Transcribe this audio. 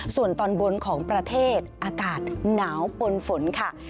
ส่วนตอนบนของประเทศอากาศหนาวปนฝนค่ะ